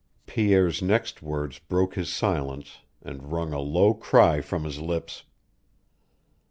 Pierre's next words broke his silence, and wrung a low cry from his lips.